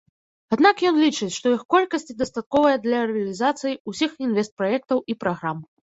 Аднак ён лічыць, што іх колькасці дастатковая для рэалізацыі ўсіх інвестпраектаў і праграм.